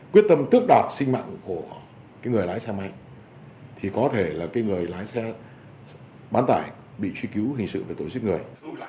quyết tâm tước đạt sinh mạng của người lái xe máy thì có thể là người lái xe bán tải bị truy cứu hình sự về tội giết người